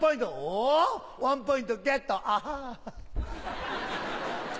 おワンポイントゲットアハ。